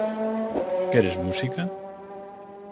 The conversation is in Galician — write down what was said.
Queres música?